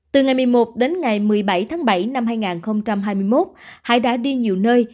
từ ngày một mươi một đến ngày một mươi bảy tháng bảy năm hai nghìn hai mươi một hải đã đi nhiều nơi